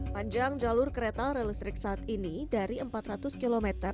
panjang jalur kereta relistrik saat ini dari empat ratus km